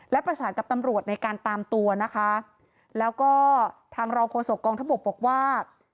และประสานกับตำรวจในการตามตัวนะคะแล้วก็ทางรองโฆษกองทบกบอกว่า